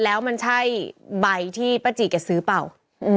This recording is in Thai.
แล้วมันใช่ใบที่ป่าจีเขาซื้อป่าว